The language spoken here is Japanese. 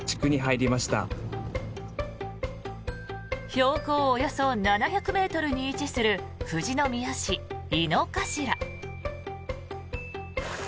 標高およそ７００ｍに位置する富士宮市猪之頭。